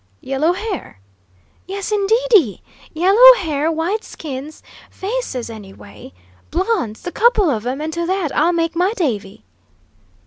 "Yellow hair?" "Yes, indeedy! Yellow hair, white skins, faces, anyway. Blondes, the couple of 'em; and to that I'll make my davy!"